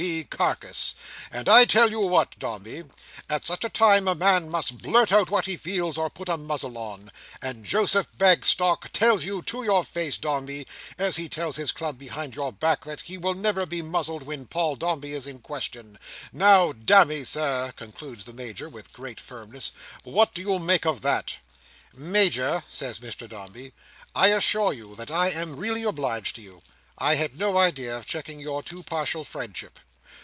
B. carcase. And I tell you what, Dombey—at such a time a man must blurt out what he feels, or put a muzzle on; and Joseph Bagstock tells you to your face, Dombey, as he tells his club behind your back, that he never will be muzzled when Paul Dombey is in question. Now, damme, Sir," concludes the Major, with great firmness, "what do you make of that?" "Major," says Mr Dombey, "I assure you that I am really obliged to you. I had no idea of checking your too partial friendship."